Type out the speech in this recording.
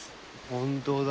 本当だ。